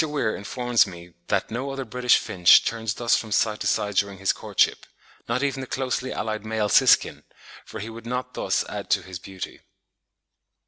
Weir informs me that no other British finch turns thus from side to side during his courtship, not even the closely allied male siskin, for he would not thus add to his beauty.